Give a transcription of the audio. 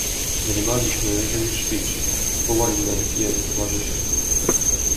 Mniemaliśmy, że już śpisz — wołali nań pijani towarzysze.